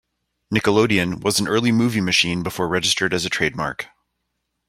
"Nickelodeon" was an early movie machine before registered as a trademark.